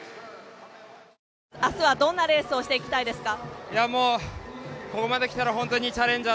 明日はどんなレースをしていきたいですか。